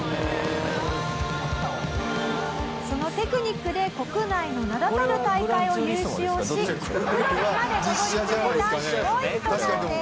そのテクニックで国内の名だたる大会を優勝しプロにまで上り詰めたすごい人なんです。